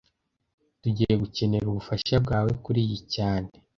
Tugiye gukenera ubufasha bwawe kuriyi cyane